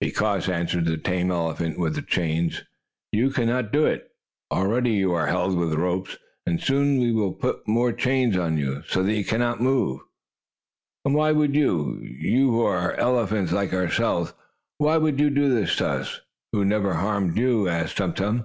"Because," answered the tame elephant, with the chains, "you cannot do it. Already you are held with ropes, and soon we will put more chains on you, so that you cannot move." "And why would you you who are elephants like ourselves why would you do this to us, who never harmed you?" asked Tum Tum.